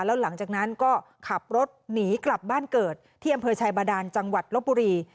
แล้วหลังจากนั้นก็ขับรถหนีกลับบ้านเกิดที่อำเภอชายบาดานจังหวัดลบบุรี